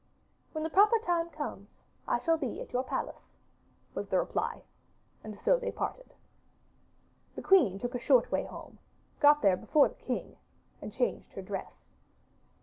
'When the proper time comes I shall be at your palace,' was the reply, and so they parted. The queen took a short way home, got there before the king and changed her dress.